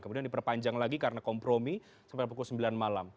kemudian diperpanjang lagi karena kompromi sampai pukul sembilan malam